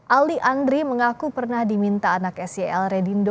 ali andri mengaku pernah diminta anak sel redindo